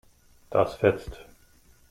Das fetzt.